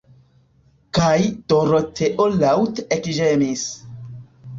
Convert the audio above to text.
Kaj Doroteo laŭte ekĝemis.